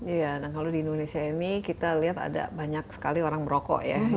iya nah kalau di indonesia ini kita lihat ada banyak sekali orang merokok ya